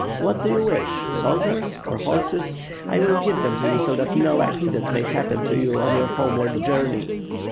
What do you wish, soldiers or horses? 1 will give them to you so that no accident may happen to you on your homeward journey."